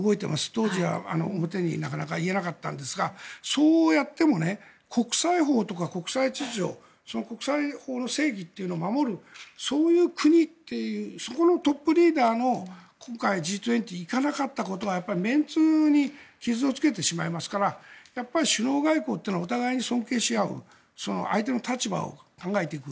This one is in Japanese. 当時は表になかなか言えなかったんですがそうやっても国際法とか国際秩序国際法の正義を守るそういう国というそこのトップリーダーの今回Ｇ２０に行かなかったことはやっぱりメンツに傷をつけてしまいますからやっぱり、首脳外交はお互いに尊敬し合う相手の立場を考えていく。